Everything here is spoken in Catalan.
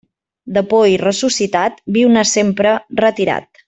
De poll ressuscitat, viu-ne sempre retirat.